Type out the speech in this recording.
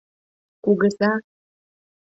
Кугыза!